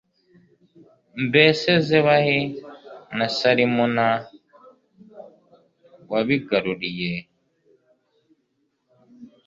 mbese zebahi na salimuna wabigaruriye